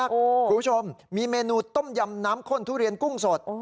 คุณผู้ชมมีเมนูต้มยำน้ำข้นทุเรียนกุ้งสด